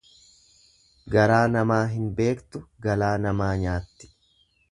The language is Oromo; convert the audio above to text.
Garaa namaa hin beektu galaa namaa nyaatti.